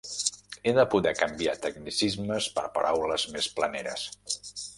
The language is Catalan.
He de poder canviar tecnicismes per paraules més planeres.